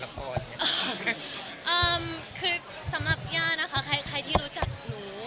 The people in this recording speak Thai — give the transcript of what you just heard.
อ่ามคือสำหรับย่านที่รู้จักหนู